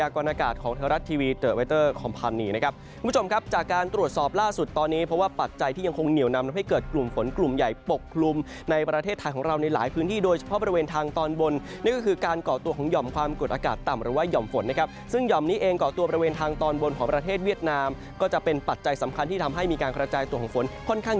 คงเหนียวนำให้เกิดกลุ่มฝนกลุ่มใหญ่ปกลุ่มในประเทศไทยของเราในหลายพื้นที่โดยเฉพาะบริเวณทางตอนบนนี่ก็คือการเกาะตัวของหย่อมความกดอากาศต่ำหรือว่าหย่อมฝนนะครับซึ่งหย่อมนี้เองเกาะตัวบริเวณทางตอนบนของประเทศเวียดนามก็จะเป็นปัจจัยสำคัญที่ทำให้มีการกระจายตัวของฝน